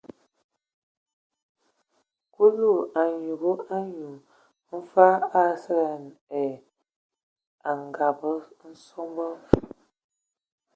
Kulu a nyugu anyu mfag Asǝlǝg a ngakǝ sɔbɔ.